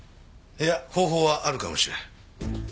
いや方法はあるかもしれん。